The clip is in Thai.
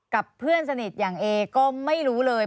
เพื่อนสนิทอย่างเอก็ไม่รู้เลย